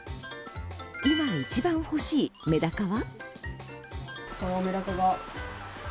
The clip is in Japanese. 今、一番欲しいメダカは？